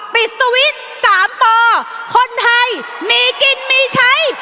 ปิดสวิทย์สามปอคนไทยมีกินมีใช้